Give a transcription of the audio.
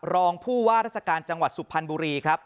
รองผู้ว่าราชการจังหวัดสุพรรณบุรีครับ